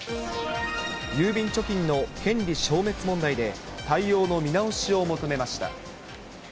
郵便貯金の権利消滅問題で対応の見直しを求めました。